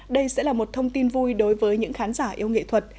đây sẽ là một thông tin vui đối với những khán giả yêu nghệ thuật